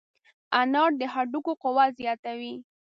انار د هډوکو قوت زیاتوي.